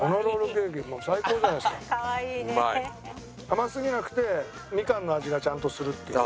甘すぎなくてみかんの味がちゃんとするっていう。